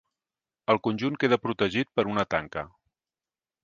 El conjunt queda protegit per una tanca.